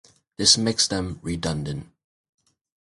This makes them redundant.